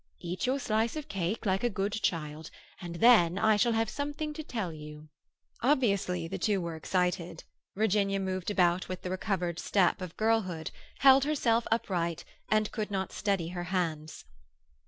Eat your slice of cake like a good child, and then I shall have something to tell you." Obviously the two were excited. Virginia moved about with the recovered step of girlhood, held herself upright, and could not steady her hands.